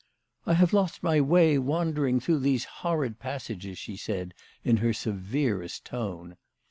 " I have lost my way wandering through these horrid passages," she said, in her severest tone.